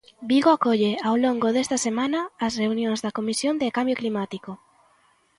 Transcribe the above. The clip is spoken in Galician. Vigo acolle ao longo desta semana as reunións da Comisión de Cambio Climático.